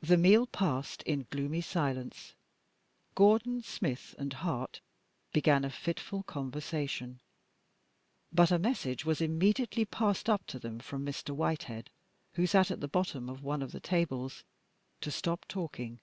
The meal passed in gloomy silence. Gordon, Smith and Hart began a fitful conversation, but a message was immediately passed up to them from Mr. Whitehead, who sat at the bottom of one of the tables, to stop talking.